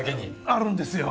あるんですよ。